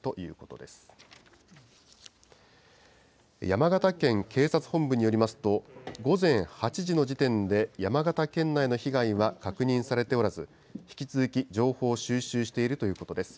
山形県警察本部によりますと、午前８時の時点で山形県内の被害は確認されておらず、引き続き情報を収集しているということです。